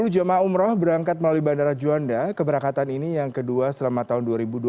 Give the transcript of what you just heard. dua puluh jemaah umroh berangkat melalui bandara juanda keberangkatan ini yang kedua selama tahun dua ribu dua puluh